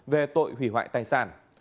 về tội hủy hoại tài sản